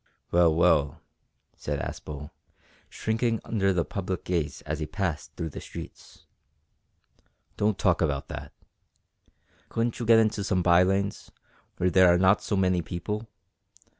"Well, well," said Aspel, shrinking under the public gaze as he passed through the streets, "don't talk about that. Couldn't you get into some by lanes, where there are not so many people?